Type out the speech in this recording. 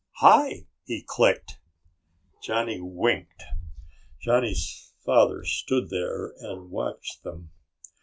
"Hi!" he clicked. Johnny winked. Johnny's father stood there and watched them.